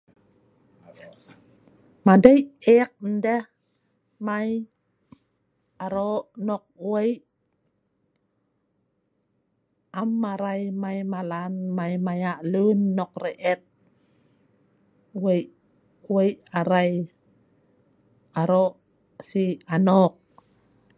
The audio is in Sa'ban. Madei e'ek deh mai arok nok wei', am arai mai malan maya' lun nok re'et wei' wei' arai arok sii anok